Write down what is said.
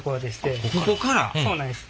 そうなんです。